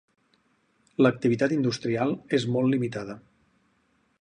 L"activitat industrial és molt limitada.